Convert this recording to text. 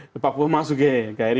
ke papua masuk ke kri